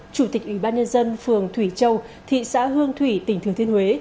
chủ tịch ủy ban nhân dân phường thủy châu thị xã hương thủy tỉnh thừa thiên huế